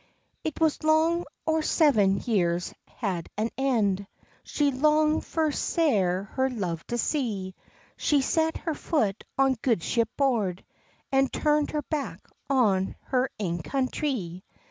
It was long or seven years had an end She longd fu sair her love to see; She's set her foot on good ship board, An turnd her back on her ain country.